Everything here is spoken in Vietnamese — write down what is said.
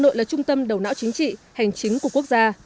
hà nội là trung tâm đầu não chính trị hành chính của quốc gia